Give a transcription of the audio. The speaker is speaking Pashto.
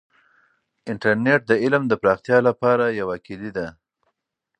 انټرنیټ د علم د پراختیا لپاره یوه کیلي ده.